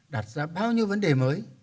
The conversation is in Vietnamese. đặt ra bao nhiêu vấn đề mới